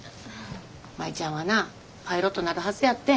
舞ちゃんはなパイロットなるはずやってん。